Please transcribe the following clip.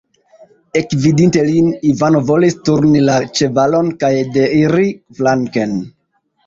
Ekvidinte lin, Ivano volis turni la ĉevalon kaj deiri flanken.